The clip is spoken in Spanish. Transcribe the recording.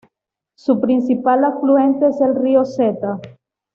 Su principal afluente es el río Seta.